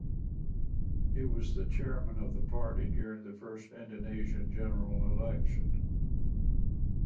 He was the chairman of the party during the first Indonesian general election.